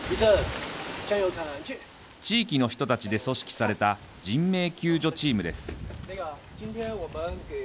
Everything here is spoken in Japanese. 地域の人たちで組織された人命救助チームです。